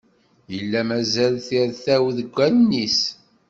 Yella mazal tirtaw deg allen-is.